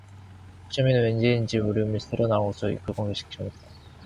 옥점이는 웬일인지 울음이 쓸어 나오는 것을 입술을 꼭 깨물고 참았다.